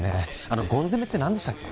あのゴン攻めって何でしたっけ？